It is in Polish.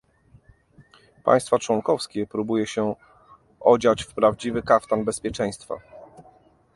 Państwa członkowskie próbuje się odziać w prawdziwy kaftan bezpieczeństwa